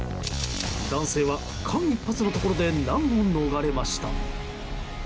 男性は間一髪のところで難を逃れました。